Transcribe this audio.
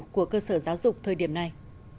của cơ sở giáo dục thời điểm này